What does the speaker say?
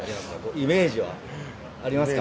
イメージはありますか？